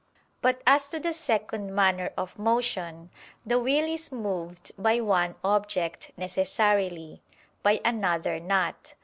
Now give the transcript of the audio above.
But as to the second manner of motion, the will is moved by one object necessarily, by another not.